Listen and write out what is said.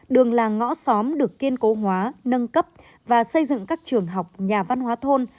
đường làng ngõ xóm được kiên cố hóa nâng cấp và xây dựng các trường học nhà văn hóa thôn